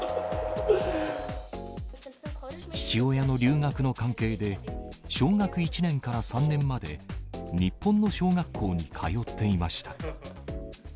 父親の留学の関係で、小学１年から３年まで、日本の小学校に通っていました。